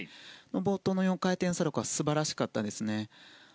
冒頭の４回転サルコウは素晴らしかったですね。